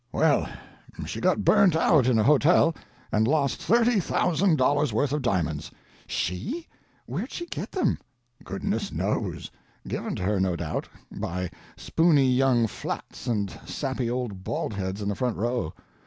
Well, she got burnt out in a hotel and lost $30,000 worth of diamonds." "She? Where'd she get them?" "Goodness knows—given to her, no doubt, by spoony young flats and sappy old bald heads in the front row.